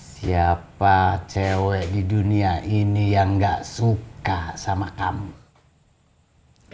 siapa cewek di dunia ini yang gak suka sama kamu